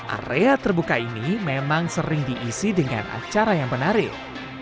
area terbuka ini memang sering diisi dengan acara yang menarik